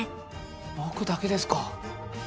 僕だけですか？